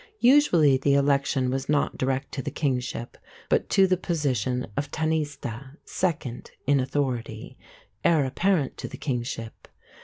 Usually the election was not direct to the kingship, but to the position of tanaiste "second" (in authority), heir apparent to the kingship.